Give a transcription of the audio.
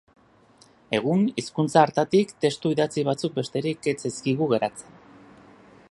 Egun, hizkuntza hartatik testu idatzi batzuk besterik ez zaizkigu geratzen.